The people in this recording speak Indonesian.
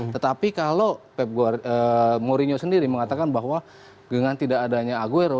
tetapi kalau pep guard mourinho sendiri mengatakan bahwa dengan tidak adanya aguero